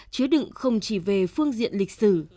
chứa đựng không chỉ về phương diện lịch sử